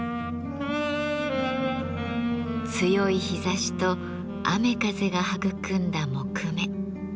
強い日ざしと雨風が育んだ木目。